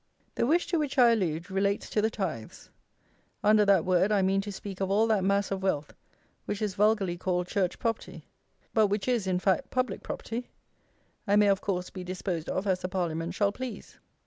The wish to which I allude relates to the tithes. Under that word I mean to speak of all that mass of wealth which is vulgarly called Church property: but which is, in fact, public property, and may, of course, be disposed of as the Parliament shall please.